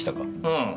うん。